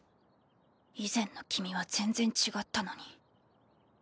以前の君は全然違ったのに。